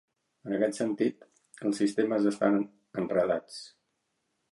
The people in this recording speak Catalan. En aquest sentit, els sistemes estan "enredats".